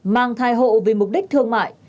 mang thai hộ vì mục đích thương mại